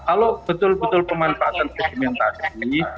kalau betul betul pemanfaatan segmentasi